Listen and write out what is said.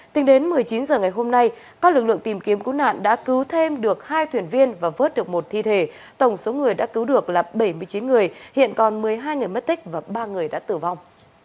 tính đến một mươi chín h ngày hôm nay các lực lượng tìm kiếm cứu nạn đã cứu thêm được hai thuyền viên và vớt được một thi thể tổng số người đã cứu được là bảy mươi chín người hiện còn một mươi hai người mất tích và ba người đã tử vong